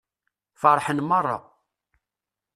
Feṛḥen meṛṛa.